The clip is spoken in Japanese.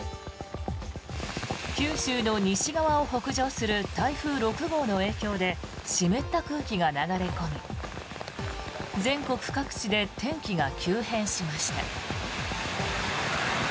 九州の西側を北上する台風６号の影響で湿った空気が流れ込み全国各地で天気が急変しました。